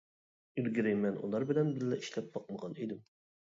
ئىلگىرى مەن ئۇلار بىلەن بىللە ئىشلەپ باقمىغان ئىدىم.